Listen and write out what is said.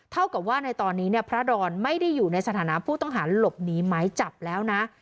เท่ากับว่าในตอนนี้เนี่ยพระดอนไม่ได้อยู่ในสถานะผู้ต้องหาหลบหนีไม้จับแล้วนะ